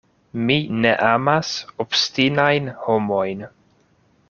Mi ne amas obstinajn homojn.